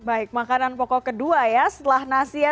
baik makanan pokok kedua ya setelah nasi ya